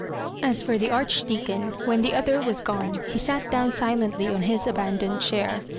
As for the Archdeacon, when the other was gone, he sat down silently on his abandoned chair.